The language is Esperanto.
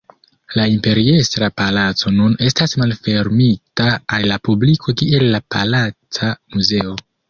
La Imperiestra Palaco nun estas malfermita al la publiko kiel la Palaca Muzeo.